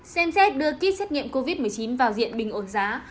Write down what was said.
xem xét đưa kit xét nghiệm covid một mươi chín vào diện bình ổn giá